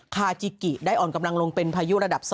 คาจิกิได้อ่อนกำลังลงเป็นพายุระดับ๒